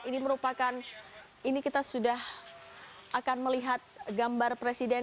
ini merupakan ini kita sudah akan melihat gambar presiden